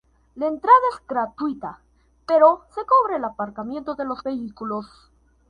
La entrada es gratuita, pero se cobra el aparcamiento de los vehículos.